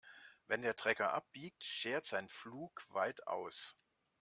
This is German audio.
Wenn der Trecker abbiegt, schert sein Pflug weit aus.